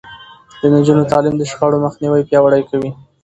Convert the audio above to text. د نجونو تعليم د شخړو مخنيوی پياوړی کوي.